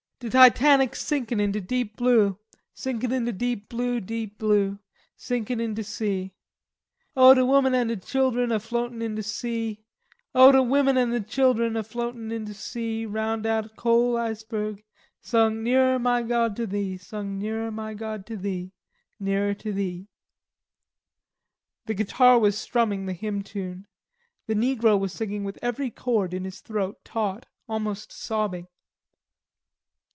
"De Titanic's sinkin' in de deep blue, Sinkin' in de deep blue, deep blue, Sinkin' in de sea. O de women an' de chilen a floatin' in de sea, O de women an' de chilen a floatin' in de sea, Roun' dat cole iceberg, Sung 'Nearer, my gawd, to Thee,' Sung 'Nearer, my gawd, to Thee, Nearer to Thee.'" The guitar was strumming the hymn tune. The negro was singing with every cord in his throat taut, almost sobbing.